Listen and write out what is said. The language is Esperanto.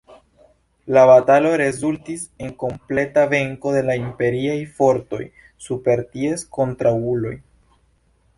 La batalo rezultis en kompleta venko de la Imperiaj fortoj super ties kontraŭuloj.